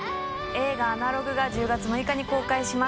映画「アナログ」が１０月６日に公開します。